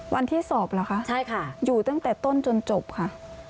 วันที่สอบเหรอคะใช่ค่ะอยู่ตั้งแต่ต้นจนจบค่ะ